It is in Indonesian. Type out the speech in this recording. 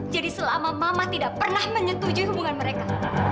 jadi selama mama tidak pernah menyetujui hubungan mereka